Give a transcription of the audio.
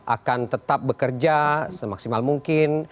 akan tetap bekerja semaksimal mungkin